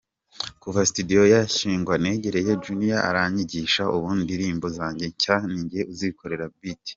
Kuva studio yashingwa, negereye Junior aranyigisha, ubu indirimbo zanjye nshya ninjye uzikorera beat.